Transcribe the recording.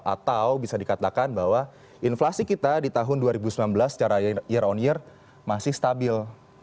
atau bisa dikatakan bahwa inflasi kita di tahun dua ribu sembilan belas secara year on year masih stabil